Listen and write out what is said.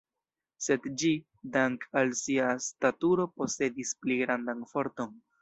Sed ĝi, dank' al sia staturo, posedis pli grandan forton.